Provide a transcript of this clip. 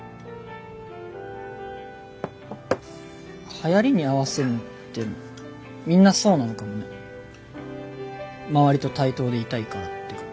流行に合わせるのってみんなそうなのかもね周りと対等でいたいからっていうか。